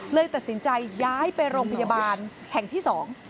เลยตัดสินใจย้ายไปโรงพยาบาลแห่งที่สอง